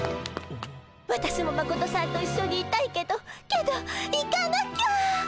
私もマコトさんと一緒にいたいけどけど行かなきゃっ！